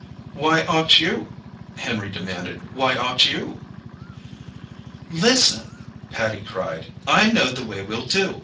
"Why ought you?" Henry demanded. "Why ought you?" "Listen!" Patty cried, "I know the way we'll do.